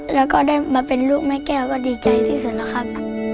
แล้วก็ได้มาเป็นลูกแม่แก้วก็ดีใจที่สุดแล้วครับ